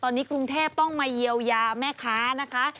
ตอนนี้กรุงเทพต้องมาเยียวยาแม่ค้านะคะ